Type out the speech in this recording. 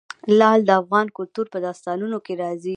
لعل د افغان کلتور په داستانونو کې راځي.